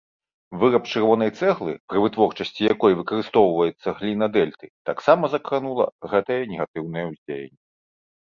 Выраб чырвонай цэглы, пры вытворчасці якой выкарыстоўваецца гліна дэльты, таксама закранула гэтае негатыўнае ўздзеянне.